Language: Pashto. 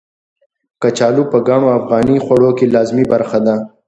کچالو په ګڼو افغاني خوړو کې لازمي برخه ده.